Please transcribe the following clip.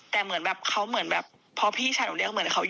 ต๋วนี้